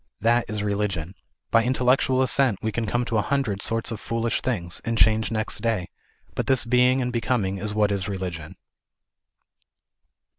That is religion. By intellectual assent we can come to a hundred sorts of foolish things, and change next day, but this being and becoming is what is religion.